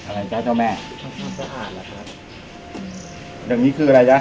อะไรจ๊ะเจ้าแม่สะอาดแหละครับอย่างนี้คืออะไรจ๊ะ